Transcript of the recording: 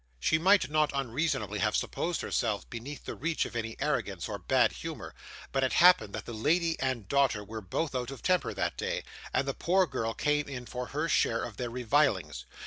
She might, not unreasonably, have supposed herself beneath the reach of any arrogance, or bad humour; but it happened that the lady and daughter were both out of temper that day, and the poor girl came in for her share of their revilings.